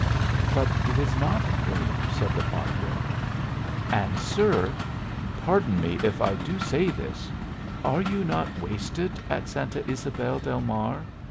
"But it is not a dream," said the padre. "And, sir pardon me if I do say this are you not wasted at Santa Ysabel del Mar?